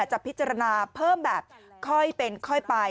จะพิจารณาเพิ่มแบบค่อยเป็นค่อยไป